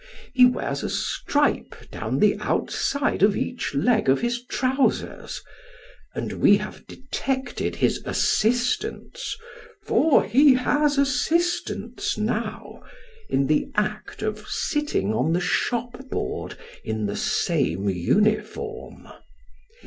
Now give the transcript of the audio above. He wears a stripe down the outside of each leg of his trousers : and we have detected his assistants (for he has assistants now) in the act of sitting on the shop board in the same uniform.